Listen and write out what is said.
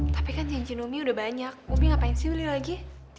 tapi kan cincin umi udah banyak umi ngapain sih beli lagi